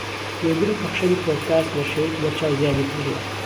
گوێگر و پەخشەری پۆدکاست بەشێوەیەکی بەرچاو زیادی کردووە